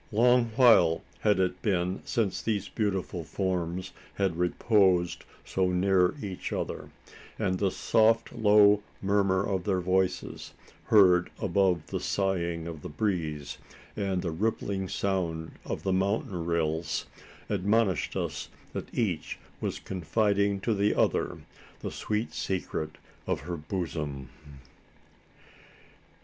Long while had it been since these beautiful forms had reposed so near each other; and the soft low murmur of their voices heard above the sighing of the breeze, and the rippling sound of the mountain rills admonished us that each was confiding to the other the sweet secret of her bosom!